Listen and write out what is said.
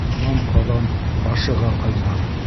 Яман ҡаҙан ашыға ҡайнар.